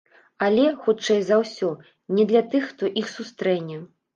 Але, хутчэй за ўсё, не для тых, хто іх сустрэне.